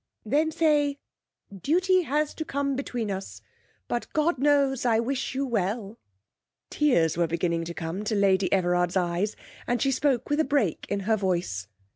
'Then say: Duty has to come between us, but God knows I wish you well.' Tears were beginning to come to Lady Everard's eyes, and she spoke with a break in her voice.